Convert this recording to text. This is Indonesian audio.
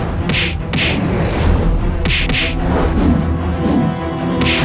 aku akan mengunggurkan ibumu sendiri